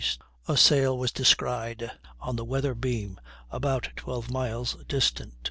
a sail was descried on the weather beam, about 12 miles distant.